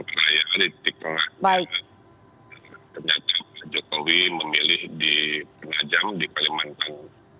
ternyata jokowi memilih di penajam di kalimantan